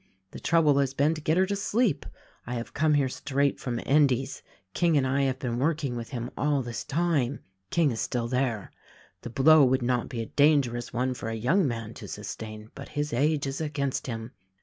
The trouble has been to get her to sleep. I have come here straight from Endy's. King and I have been working with him all this time. King is still there. The blow would not be a dangerous one for a young man to sustain, but his age is against him.